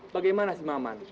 bagaimana sih mama